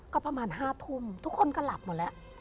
ก็ประมาณ๕ทุ่มทุกคนก็หลับหมดแล้ว